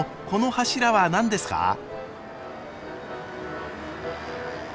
この柱は何ですか？